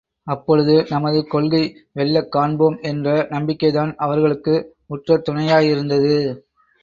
அப்பொழுது நமது கொள்கை வெல்லக் காண்போம் என்ற நம்பிக்கைதான் அவர்களுக்கு உற்ற துணையாயிருந்தது.